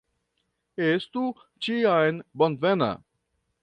Estu ĉiam bonvena!